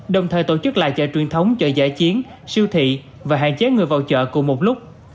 đồng thời tổ chức lại chợ truyền thống chợ giải chiến siêu thị và hạn chế người vào chợ cùng một lúc